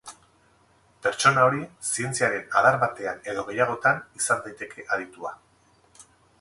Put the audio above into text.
Pertsona hori zientziaren adar batean edo gehiagotan izan daiteke aditua.